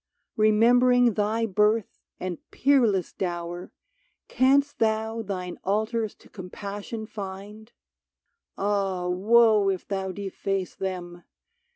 Remembering thy birth and peerless dower, Canst thou thine altars to Compassion find ? Ah, woe if thou deface them